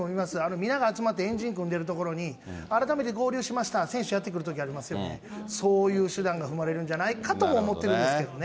みんなが円陣組んでるところに、改めて合流しました、選手やって来るときありますよね、そういう手段が踏まれるんじゃないかと思ってるんですけどね。